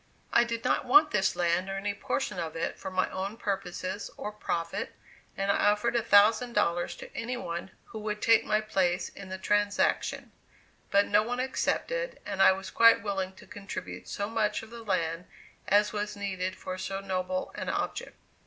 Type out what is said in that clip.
I did not want this land or any portion of it for my own purposes or profit, and I offered a thousand dollars to any one who would take my place in the transaction; but no one accepted, and I was quite willing to contribute so much of the land as was needed for so noble an object.